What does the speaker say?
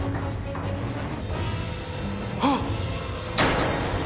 あっ！